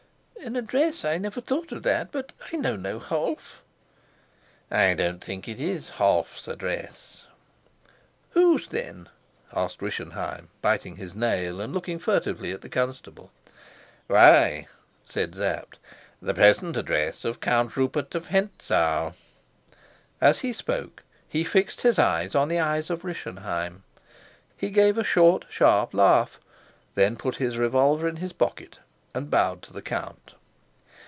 "An address! I never thought of that. But I know no Holf." "I don't think it's Holf's address." "Whose, then?" asked Rischenheim, biting his nail, and looking furtively at the constable. "Why," said Sapt, "the present address of Count Rupert of Hentzau." As he spoke, he fixed his eyes on the eyes of Rischenheim. He gave a short, sharp laugh, then put his revolver in his pocket and bowed to the count.